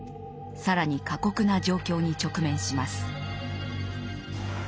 更に過酷な状況に直面します。